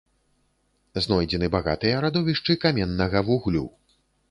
Знойдзены багатыя радовішчы каменнага вуглю.